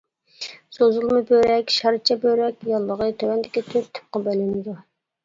سوزۇلما بۆرەك شارچە بۆرەك ياللۇغى تۆۋەندىكى تۆت تىپقا بۆلىنىدۇ.